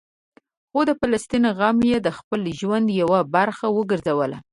خو د فلسطین غم یې د خپل ژوند یوه برخه وګرځوله.